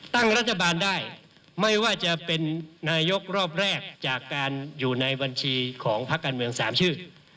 ตั้งรัฐบาลได้ไม่ว่าจะเป็นนายกรอบแรกจากการอยู่ในบัญชีของพักการเมือง๓ชื่อ